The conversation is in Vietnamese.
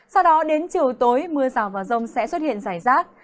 sau đó đến chiều tối mưa rào và rông sẽ xuất hiện rải rác